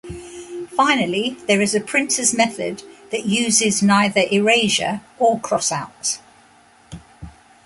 Finally, there is a printers method that uses neither erasure or crossouts.